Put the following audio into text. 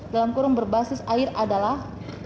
dalam kurung berbasis air adalah